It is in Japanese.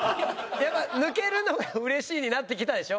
やっぱ抜けるのが嬉しいになってきたでしょ？